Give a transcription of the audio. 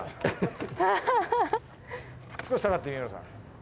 少し下がって三村さん。